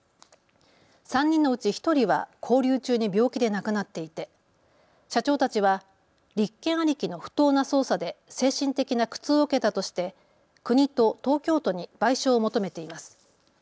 ３人のうち１人は勾留中に病気で亡くなっていて社長たちは立件ありきの不当な捜査で精神的な苦痛を受けたとして国と東京都に賠償を求めています。